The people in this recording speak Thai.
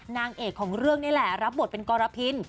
นางเอกของเรื่องนี่แหละรับบทเป็นกรพิน